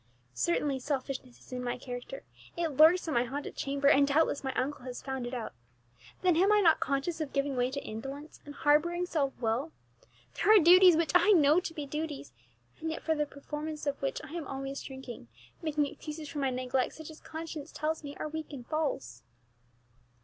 Certainly selfishness is in my character; it lurks in my haunted chamber, and doubtless my uncle has found it out! Then am I not conscious of giving way to indolence, and harbouring self will? There are duties which I know to be duties, and yet from the performance of which I am always shrinking, making excuses for my neglect such as conscience tells me are weak and false.